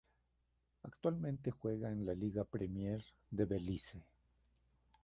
Actualmente juega en la Liga Premier de Belice.